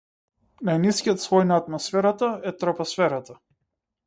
Најнискиот слој на атмосферата е тропосферата.